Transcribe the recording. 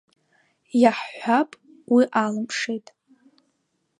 Иаҳҳәап, уи алымшеит.